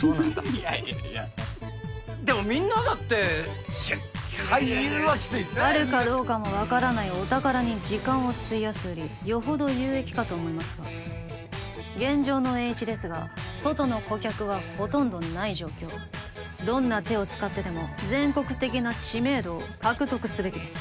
いやいやいやでもみんなだっていや俳優はキツいっすあるかどうかも分からないお宝に時間を費やすよりよほど有益かと思いますが現状のエーイチですが外の顧客はほとんどない状況どんな手を使ってでも全国的な知名度を獲得すべきです